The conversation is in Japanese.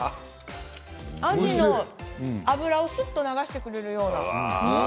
アジの脂をすっと流してくれるような。